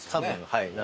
はい。